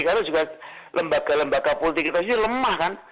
karena juga lembaga lembaga politik kita ini lemah kan